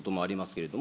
けれど